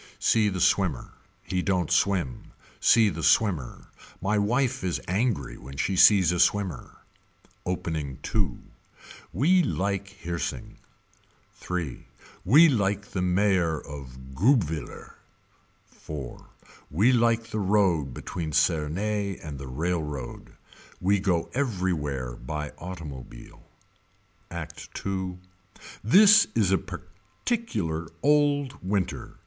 See the swimmer. He don't swim. See the swimmer. My wife is angry when she sees a swimmer. Opening II. We like Hirsing. III. We like the mayor of Guebwiller. IV. We like the road between Cernay and the railroad. We go everywhere by automobile. Act II. This is a particular old winter.